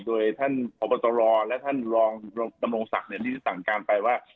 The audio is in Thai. โดยท่านพบตรและท่านรองดำรงศักดิ์ที่สั่งการไปว่า